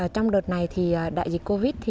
trong đợt này đại dịch covid